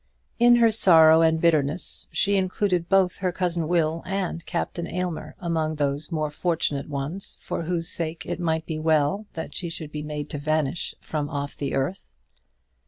In her sorrow and bitterness she included both her cousin Will and Captain Aylmer among those more fortunate ones for whose sake it might be well that she should be made to vanish from off the earth.